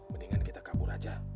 mendingan kita kabur aja